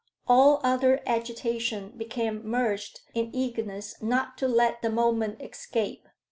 All other agitation became merged in eagerness not to let the moment escape.